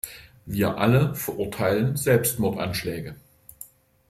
Wir alle verurteilen Selbstmordanschläge.